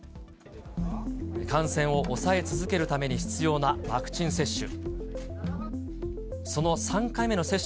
感染を抑え続けるために必要なワクチン接種。